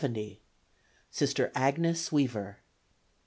70. Sister Agnes Weaver.